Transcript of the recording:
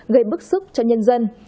gây bức xúc cho nhân dân